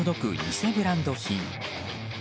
偽ブランド品。